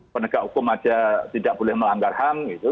penegak hukum aja tidak boleh melanggar ham gitu